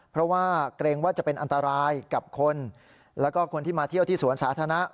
เพราะว่าเกรงว่าจะเป็นอันตรายกับคนแล้วก็คนที่มาเที่ยวที่สวนสาธารณะ